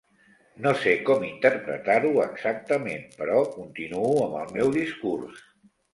No sé com interpretar-ho exactament, però continuo amb el meu discurs.